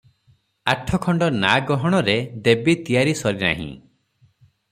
ଆଠଖଣ୍ଡ ନାଆ ଗହଣରେ ଦେବି ତିଆରି ସରି ନାହିଁ ।